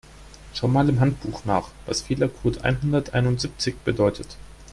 Schau mal im Handbuch nach, was Fehlercode einhunderteinundsiebzig bedeutet.